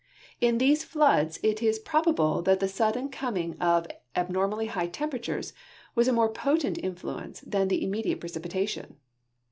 In these floods it is ])robable that the sudden coming of abnormally high temjieratures was a more 2)otent influence than the immediate precipitation.